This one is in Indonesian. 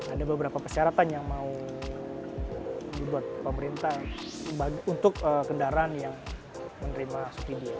ada beberapa persyaratan yang mau dibuat pemerintah untuk kendaraan yang menerima subsidi